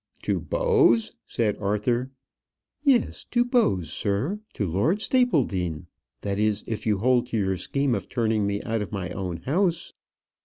"To Bowes!" said Arthur. "Yes, to Bowes, sir; to Lord Stapledean. That is, if you hold to your scheme of turning me out of my own house."